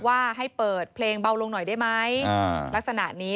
ว่าให้เปิดเพลงเบาลงหน่อยได้ไหมลักษณะนี้